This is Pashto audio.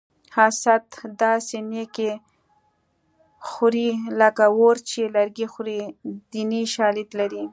حسد داسې نیکي خوري لکه اور چې لرګي خوري دیني شالید لري